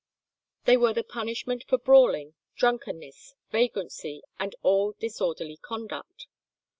They were the punishment for brawling, drunkenness, vagrancy, and all disorderly conduct.